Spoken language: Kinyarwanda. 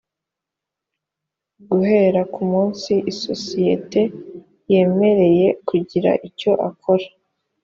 guhera ku munsi isosiyete yemereye kugira icyo akora